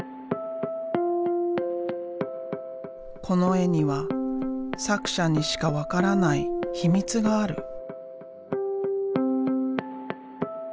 この絵には作者にしか分からない秘密がある。